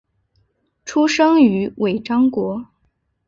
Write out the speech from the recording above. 出生于尾张国。